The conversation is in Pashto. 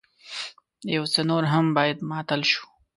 يو څه نور هم بايد ماتل شو.